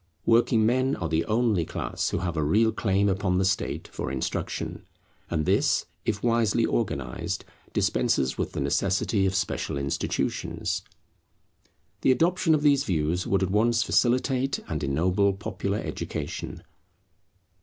Working men are the only class who have a real claim upon the State for instruction; and this, if wisely organized, dispenses with the necessity of special institutions. The adoption of these views would at once facilitate and ennoble popular education.